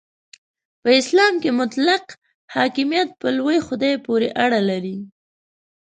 په اسلام کې مطلق حاکمیت په لوی خدای پورې اړه لري.